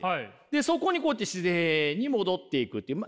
でそこにこうやって自然に戻っていくっていう。